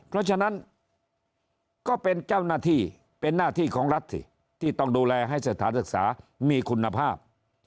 เพราะฉะนั้นก็เป็นเจ้าหน้าที่เป็นหน้าที่ของรัฐสิที่ต้องดูแลให้สถานศึกษามีคุณภาพ